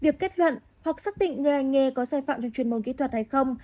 việc kết luận hoặc xác định người hành nghề có sai phạm trong chuyên môn kỹ thuật hay không